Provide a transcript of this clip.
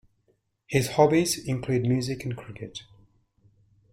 His hobbies include music and cricket.